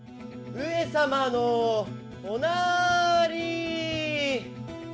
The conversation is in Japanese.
上様のおなーりー！